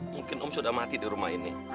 mungkin om sudah mati di rumah ini